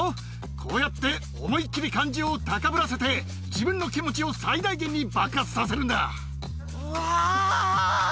こうやって思い切り感情を高ぶらせて、自分の気持ちを最大限に爆うわー！